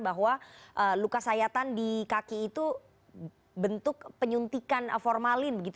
bahwa luka sayatan di kaki itu bentuk penyuntikan formalin